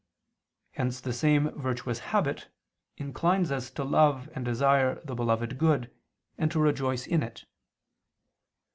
Hence the same virtuous habit inclines us to love and desire the beloved good, and to rejoice in it.